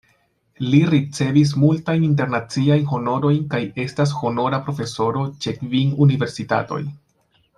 Li ricevis multajn internaciajn honorojn kaj estas honora profesoro ĉe kvin universitatoj.